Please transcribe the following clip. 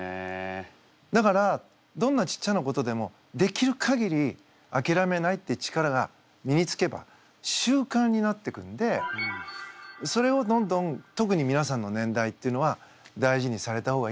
だからどんなちっちゃなことでもできるかぎりあきらめないって力が身につけば習慣になっていくんでそれをどんどん特にみなさんの年代っていうのは大事にされた方がいいなって思います。